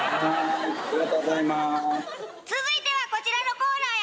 続いてはこちらのコーナーやで！